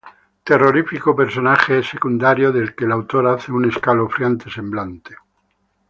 Terrorífico personaje secundario del que el autor hace un escalofriante semblante.